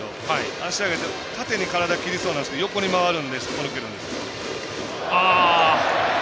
足上げて縦に体切りそうなんですけど横に回りそうなんですっぽ抜けるんです。